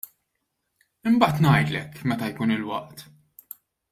Imbagħad ngħidlek, meta jkun il-waqt!